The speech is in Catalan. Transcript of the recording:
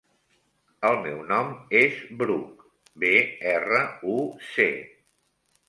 El meu nom és Bruc: be, erra, u, ce.